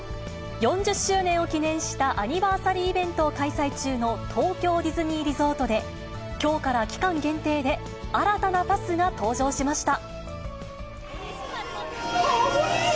４０周年を記念したアニバーサリーイベントを開催中の東京ディズニーリゾートで、きょうから期間限定で新たなパスが登場しました。